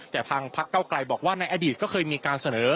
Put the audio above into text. แต่ทางพักเก้าไกลบอกว่าในอดีตก็เคยมีการเสนอ